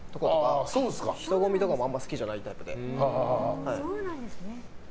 人混みとかもあんまり好きじゃないタイプで。